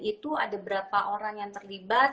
itu ada berapa orang yang terlibat